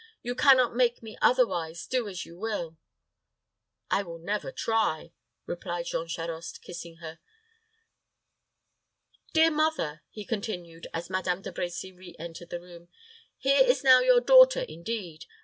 You can not make me otherwise, do as you will." "I will never try," replied Jean Charost, kissing her. "Dear mother," he continued, as Madame De Brecy re entered the room, "here is now your daughter, indeed.